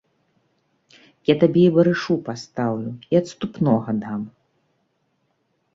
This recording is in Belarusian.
Я табе і барышу пастаўлю, і адступнога дам.